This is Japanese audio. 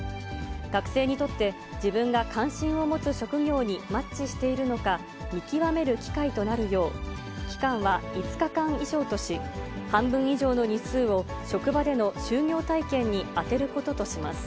学生にとって、自分が関心を持つ職業にマッチしているのか見極める機会となるよう、期間は５日間以上とし、半分以上の日数を職場での就業体験に充てることとします。